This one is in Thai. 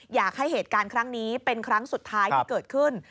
อยากให้เหตุการณ์ครั้งนี้เป็นครั้งสุดท้ายที่เกิดขึ้น